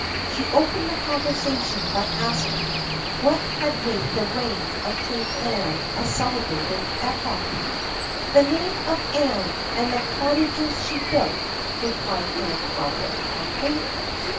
She opened the conversation by asking what had made the reign of Queen Anne a celebrated epoch. " The name of Anne, and the cottages she built," replied Anne Talbot promptly.